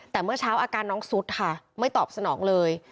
แต่เมื่อเช้าอาการน้องสุดค่ะไม่ตอบสนองเลย